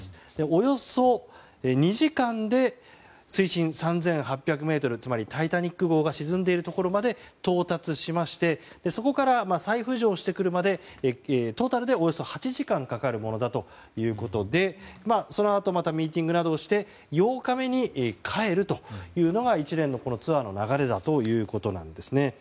およそ２時間で、水深３８００ｍつまり「タイタニック号」が沈んでいるところまで到達しましてそこから再浮上してくるまでトータルで、およそ８時間かかるものだということでそのあとまたミーティングなどをして８日目に帰るというのが一連のツアーの流れということなんです。